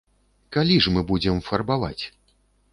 Калі ж мы будзем фарбаваць?